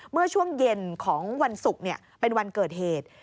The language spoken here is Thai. เมื่อช่วงเย็นของวันศุกร์เป็นวันเกิดเหตุ